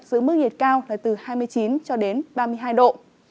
giữ mức nhiệt cao là từ hai mươi chín ba mươi hai độ